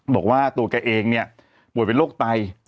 บอกว่าตัวแกเองบวนเป็นโรคไต